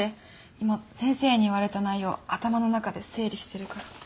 今先生に言われた内容頭の中で整理してるから。